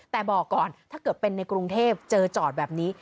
แต่บอกก่อนถ้าเกิดเป็นในกรุงเทพเจอจอดแบบนี้